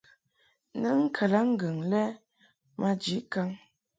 Nɨŋ kalaŋŋgɨŋ lɛ maji kaŋ.